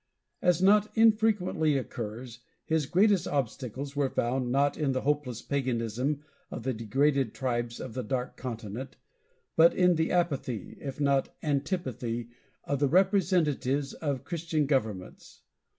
As not infrequently occurs, his greatest obstacles were found, not in the hopeless paganism of the degraded tribes of the Dark Continent, but in the apathy, if not antipathy, of the representatives of Christian governments.